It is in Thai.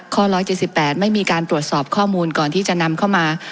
ข้อร้อยเจสสิบแปดไม่มีการตรวจสอบข้อมูลก่อนที่จะนำเข้ามา